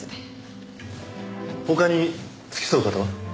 他に付き添う方は？